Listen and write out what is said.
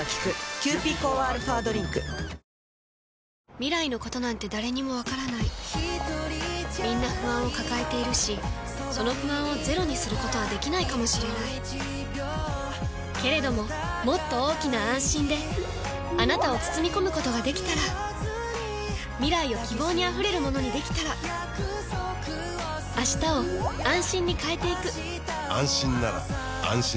未来のことなんて誰にもわからないみんな不安を抱えているしその不安をゼロにすることはできないかもしれないけれどももっと大きな「あんしん」であなたを包み込むことができたら未来を希望にあふれるものにできたら変わりつづける世界に、「あんしん」を。